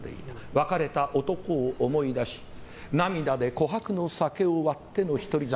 別れた男を思い出し涙で琥珀の酒を割っての一人酒。